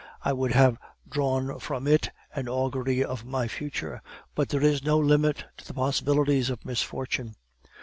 I would have drawn from it an augury of my future, but there is no limit to the possibilities of misfortune.